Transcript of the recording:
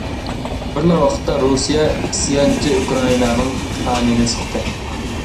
بىرلا ۋاقىتتا، رۇسىيە ئىسيانچى ئۇكرائىنانىڭ كانىيىنى سىقتى!